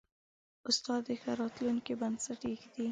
استاد د ښه راتلونکي بنسټ ایږدي.